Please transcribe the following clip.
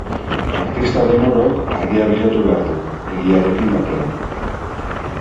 Artista den orok argia bilatu behar du, egiarekin batera.